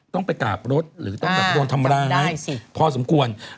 ต้องไปกลับรถหรือต้องไปทำร้านพอสมควรจับได้สิ